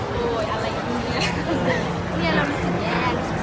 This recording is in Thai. ช่องความหล่อของพี่ต้องการอันนี้นะครับ